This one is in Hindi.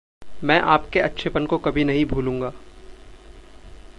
मैं आपके अच्छेपन को कभी नहीं भूलूँगा।